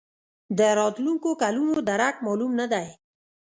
د راتلونکو کلونو درک معلوم نه دی.